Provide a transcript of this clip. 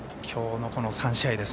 きょうの３試合